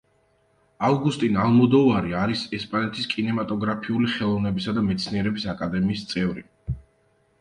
ავგუსტინ ალმოდოვარი არის ესპანეთის კინემატოგრაფიული ხელოვნებისა და მეცნიერების აკადემიის წევრი.